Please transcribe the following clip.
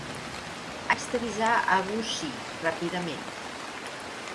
Haig d'avisar a Gussie ràpidament.